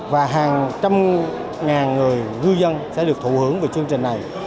và hàng trăm ngàn người ngư dân sẽ được thụ hưởng về chương trình này